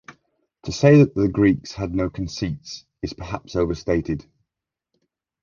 To say that the Greeks had no conceits, is perhaps overstated.